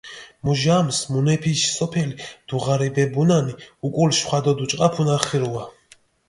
მუჟამს მუნეფიში სოფელი დუღარიბებუნანი, უკული შხვადო დუჭყაფუნა ხირუა.